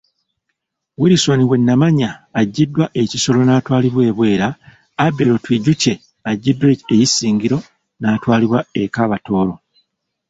Wilson Wenamanya aggiddwa e Kisoro n'atwalibwa e Bwera, Abel Twijukye aggiddwa Isingiro n'atwalibwa e Kabatooro.